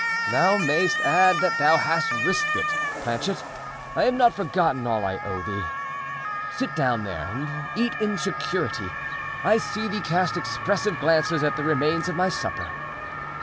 "Thou mayst add that thou hast risked it, Planchet. I have not forgotten all I owe thee. Sit down there and eat in security. I see thee cast expressive glances at the remains of my supper."